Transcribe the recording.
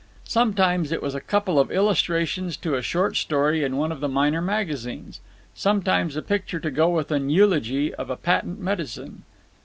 Sometimes it was a couple of illustrations to a short story in one of the minor magazines, sometimes a picture to go with an eulogy of a patent medicine.